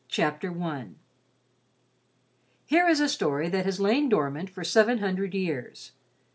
CHAPTER I Here is a story that has lain dormant for seven hundred years.